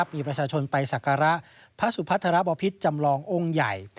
มีประชาชนไปสักการะพระสุพัทรบพิษจำลององค์ใหญ่